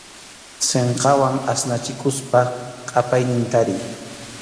Sinqawan asnachikuspa qʼapaynin tariy.